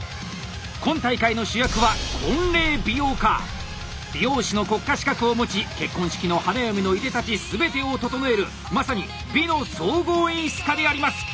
今大会の主役は美容師の国家資格を持ち結婚式の花嫁のいでたち全てを整えるまさに「美」の総合演出家であります。